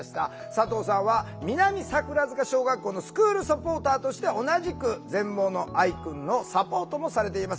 佐藤さんは南桜塚小学校のスクールサポーターとして同じく全盲の愛くんのサポートもされています。